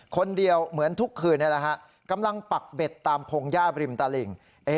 คนเดียวเหมือนทุกคืนกำลังปักเบ็ดตามพงหญ้าบริมตลิ่ง